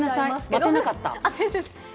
待てなかった。